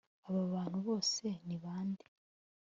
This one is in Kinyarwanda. Aba bantu bose ni bande